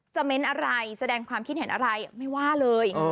เม้นอะไรแสดงความคิดเห็นอะไรไม่ว่าเลย